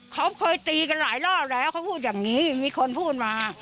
เขาเคยตีกันหลายรอบแล้วเขาพูดอย่างนี้มีคนพูดมา